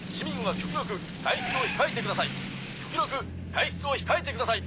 極力外出を控えてください。